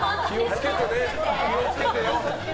気を付けてよ。